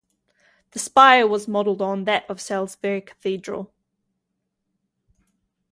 The spire was modelled on that of Salisbury Cathedral.